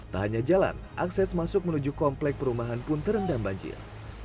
tak hanya jalan akses masuk menuju komplek perumahan pun terendam banjir